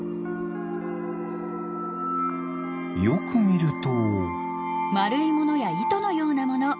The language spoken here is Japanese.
よくみると。